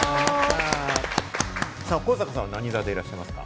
上坂さんは何座でいらっしゃいますか？